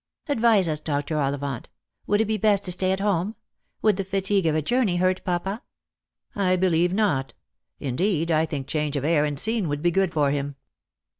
Advise us, Dr. Ollivant. Would it be best to stay at home — would the fatigue of a journey hurt papa P "" I believe not. Indeed, I think change of air and scene would be good for him."